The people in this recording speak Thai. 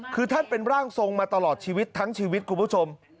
คือท่านเป็นร่างทรงมาตลอดชีวิตทั้งชีวิตคุณผู้ชม